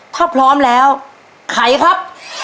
ถ้าพร้อมแล้วไขครับ